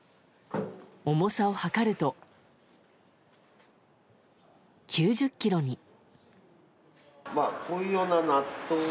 重さを量ると、９０ｋｇに。